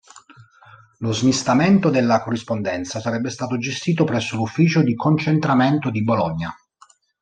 Lo smistamento della corrispondenza sarebbe stato gestito presso l'Ufficio di Concentramento di Bologna.